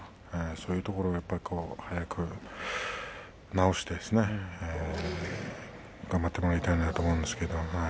そういうところが、ちょっと早く治してですね、頑張ってもらいたいなと思うんですけど。